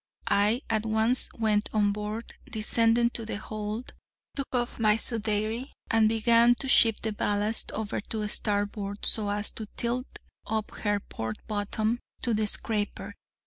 I at once went on board, descended to the hold, took off my sudeyrie, and began to shift the ballast over to starboard, so as to tilt up her port bottom to the scraper.